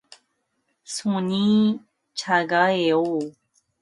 손이 차가워요.